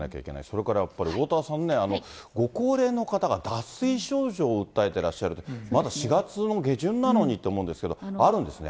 それからやっぱりおおたわさんね、ご高齢の方が脱水症状を訴えてらっしゃる、まだ４月の下旬なのにって思うんですけど、あるんですね。